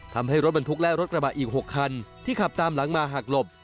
ทำให้รถบรรทุกและรถกระบะอีก๖คันที่ขับตามหลังมาหักหลบ